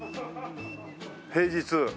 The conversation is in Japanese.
平日。